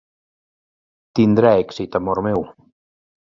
Tindrà èxit, amor meu.